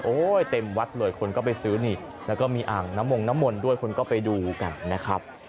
เต็มวัดเลยคนก็ไปซื้อนี่แล้วก็มีอ่างน้ำมงน้ำมนต์ด้วยคนก็ไปดูกันนะครับ